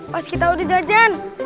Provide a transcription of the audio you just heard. pas kita udah jajan